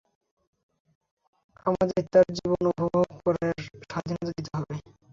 আমাদের তার জীবন উপভোগ করার স্বাধীনতা দিতে হবে।